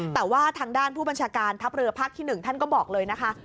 แต่ว่าทางด้านผู้บัญชาการทัพเรือภาคที่๑ท่านก็บอกเลยนะคะ